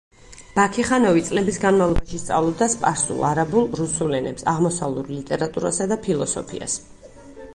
ბაქიხანოვი წლების განმავლობაში სწავლობდა სპარსულ, არაბულ, რუსულ ენებს, აღმოსავლურ ლიტერატურასა და ფილოსოფიას.